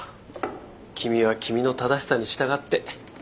君は君の正しさに従って。